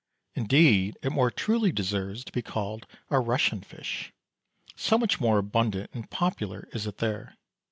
Indeed it more truly deserves to be called a Russian fish, so much more abundant and popular is it there.